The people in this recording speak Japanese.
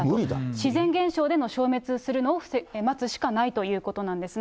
自然現象での消滅するのを待つしかないということなんですね。